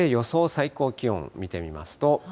最高気温見てみますと。